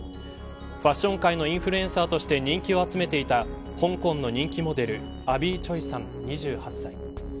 ファッション界のインフルエンサーとして人気を集めていた香港の人気モデルアビー・チョイさん２８歳。